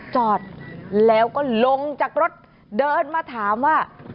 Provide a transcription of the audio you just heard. จอดแล้วก็ลงจากรถเดินมาถามว่า